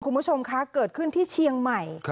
คุณผู้ชมคะเกิดขึ้นที่เชียงใหม่